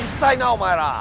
お前ら！